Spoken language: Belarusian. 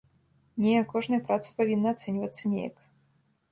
Не, кожная праца павінна ацэньвацца неяк.